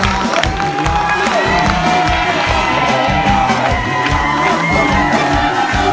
แก้มขอมาสู้เพื่อกล่องเสียงให้กับคุณพ่อใหม่นะครับ